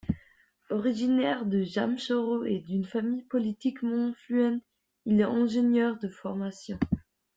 Originaire de Jamshoro et d'une famille politiquement influente, il est ingénieur de formation.